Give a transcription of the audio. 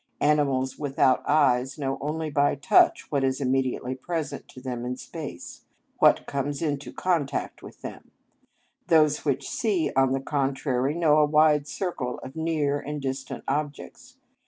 Animals without eyes know only by touch what is immediately present to them in space, what comes into contact with them; those which see, on the contrary, know a wide circle of near and distant objects.